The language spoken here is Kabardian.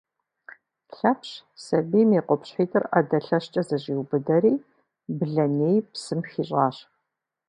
Лъэпщ сабийм и купкъыщхьитӏыр ӏэдэ лъэщкӏэ зэщӏиубыдэри блэней псым хищӏащ.